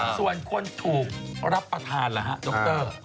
ส่วนคนถูกรับประทานล่ะฮะดร